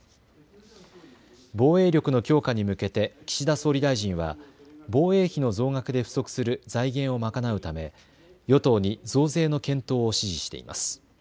防衛力の強化に向けて岸田総理大臣は防衛費の増額で不足する財源を賄うため与党に増税の検討を指示しています。